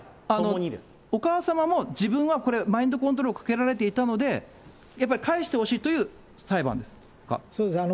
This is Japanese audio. お母様も、自分はこれ、マインドコントロールをかけられていたので、やっぱり返してほしいという裁判ですか？